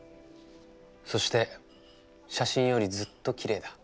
そして写真よりずっときれいだ。